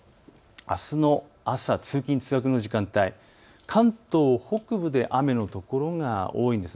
あすの朝、通勤通学の時間帯、関東北部で雨の所が多いんです。